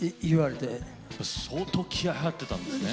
相当気合い入ってたんですね。